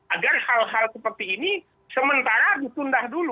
agar hal hal seperti ini sementara ditunda dulu